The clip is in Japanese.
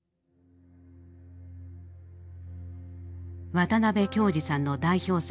渡辺京二さんの代表作